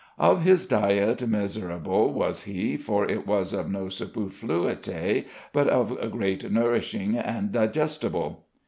"Of his diete mesurable was he, For it was of no superfluité, But of gret norisching and digestible."